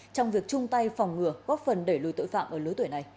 trong việc chung tay phòng ngừa góp phần để lùi tội phạm ở lối tuổi này